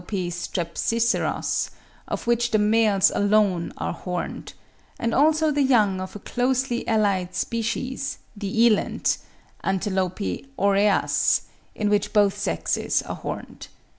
strepsiceros), of which the males alone are horned, and also the young of a closely allied species, the eland (Ant. oreas), in which both sexes are horned.